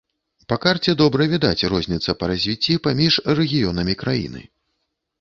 Па карце добра відаць розніца па развіцці паміж рэгіёнамі краіны.